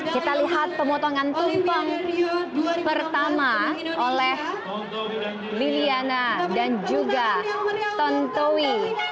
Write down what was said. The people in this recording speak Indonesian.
kita lihat pemotongan tumpang pertama oleh liliana dan juga ton towi